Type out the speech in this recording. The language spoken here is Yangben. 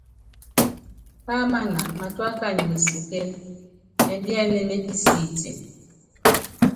Páámána matúá kany mesukén ɛ́mbíɛ́n mépísíítín.